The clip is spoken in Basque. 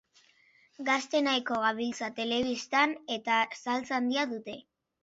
Gazte nahiko gabiltza telebistan, eta saltsa handia dute.